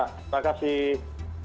ya terima kasih